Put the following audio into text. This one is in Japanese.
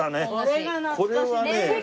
これはね